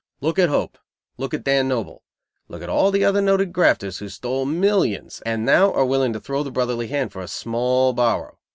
Look at Hope. Look at Dan Noble. Look at all the other noted grafters who stole millions and now are willing to throw the brotherly hand for a small borrow.